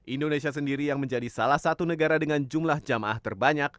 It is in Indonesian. indonesia sendiri yang menjadi salah satu negara dengan jumlah jamaah terbanyak